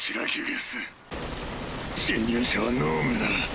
侵入者は脳無だ。